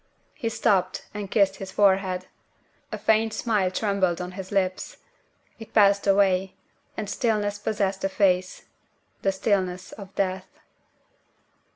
She stooped and kissed his forehead. A faint smile trembled on his lips. It passed away; and stillness possessed the face the stillness of Death.